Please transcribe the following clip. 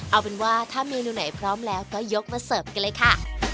เอาเป็นว่าถ้าเมนูไหนพร้อมแล้วก็ยกมาเสิร์ฟกันเลยค่ะ